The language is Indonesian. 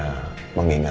mama sudah berubat